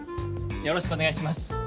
よろしくお願いします。